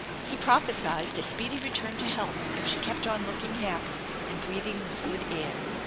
He prophesied a speedy return to health if she kept on looking happy and breathing this good air.